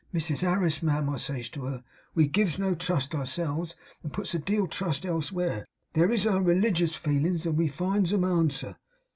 "Mrs Harris, ma'am," I says to her, "we gives no trust ourselves, and puts a deal o'trust elsevere; these is our religious feelins, and we finds 'em answer."